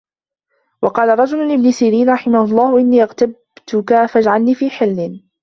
وَقَالَ رَجُلٌ لِابْنِ سِيرِينَ رَحِمَهُ اللَّهُ إنِّي اغْتَبْتُك فَاجْعَلْنِي فِي حِلٍّ